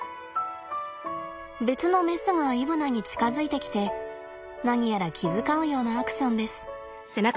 別のメスがイブナに近づいてきて何やら気遣うようなアクションです。